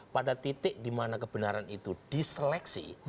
pada titik dimana kebenaran itu diseleksi